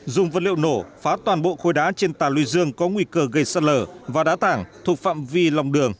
dùng vật liệu nổ phá toàn bộ khối đá trên tà lưu dương có nguy cơ gây sạt lở và đá tảng thuộc phạm vi lòng đường